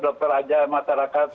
doktor aja masyarakat